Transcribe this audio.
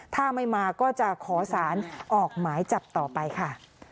ถ้าไม่มาก็จะขอสารออกหมายจับต่อไปค่ะ